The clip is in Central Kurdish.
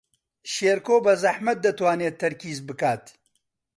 شێرکۆ بەزەحمەت دەتوانێت تەرکیز بکات.